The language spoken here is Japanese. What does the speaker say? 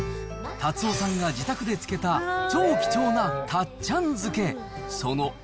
辰夫さんが自宅で漬けた超貴重な辰っちゃん漬。